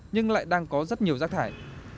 nhưng lại đang có rất nhiều rác thải